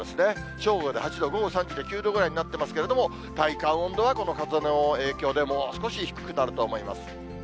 正午で８度、午後３時で９度ぐらいになってますけれども、体感温度はこの風の影響で、もう少し低くなると思います。